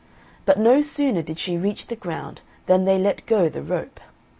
But no sooner did she reach the ground than they let go the rope.